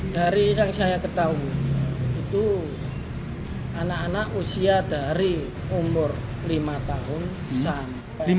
dari yang saya ketahui itu anak anak usia dari umur lima tahun sampai tahun